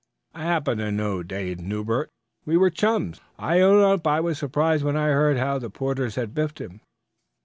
I happen to know Dade Newbert; we were chums. I own up I was surprised when I heard how the Porters had biffed him.